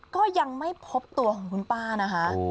ก็ยังไม่พบตัวของคุณป้านะคะ